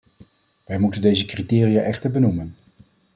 Wij moeten deze criteria echter benoemen.